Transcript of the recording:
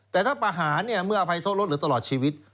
แต่ถ้าประหารเมื่ออภัยโทษลดเหลือตลอดชีวิต